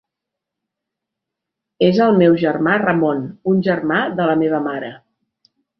És el meu germà Ramon, un germà de la meva mare.